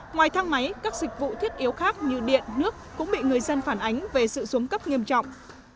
ngoài thang máy các dịch vụ thiết yếu khác như điện nước cũng bị người dân phản ánh về sự xuống cấp nghiêm trọng